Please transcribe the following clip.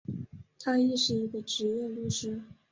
他亦是一个执业律师。